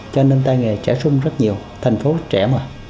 cho nên tai nghề trẻ sung rất nhiều thành phố trẻ mà